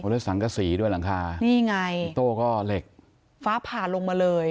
แล้วสังกษีด้วยหลังคานี่ไงโต้ก็เหล็กฟ้าผ่าลงมาเลย